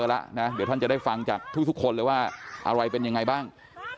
แล้วนะเดี๋ยวท่านจะได้ฟังจากทุกคนเลยว่าอะไรเป็นยังไงบ้าง